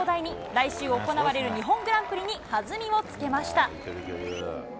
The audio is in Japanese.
来週行われる日本グランプリに弾みをつけました。